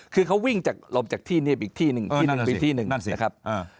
คือเขาวิ่งลงจากที่นี่ไปที่นึงที่นึงไปที่นึงนะครับ